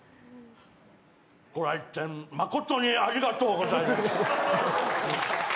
御来店誠にありがとうございます。